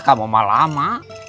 kamu mah lama